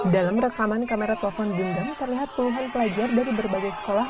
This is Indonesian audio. dalam rekaman kamera telepon genggam terlihat puluhan pelajar dari berbagai sekolah